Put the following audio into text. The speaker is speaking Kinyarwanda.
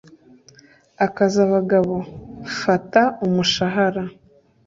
akazi abagabo! fata umushahara